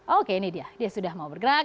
oke ini dia dia sudah mau bergerak